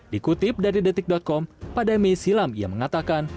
dikutip dari detik com pada mei silam ia mengatakan